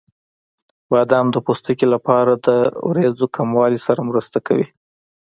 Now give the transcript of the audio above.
بادام د پوستکي لپاره د وریځو کموالي سره مرسته کوي.